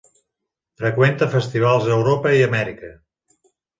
Freqüenta festivals a Europa i Amèrica.